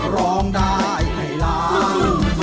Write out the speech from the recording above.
ร้องได้ให้ล้าน